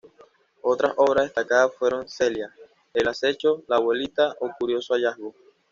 Otras obras destacadas fueron ""Celia", "El acecho", "la abuelita"" o ""Curioso hallazgo".